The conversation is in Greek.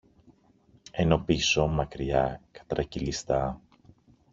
ενώ πίσω, μακριά, κατρακυλιστά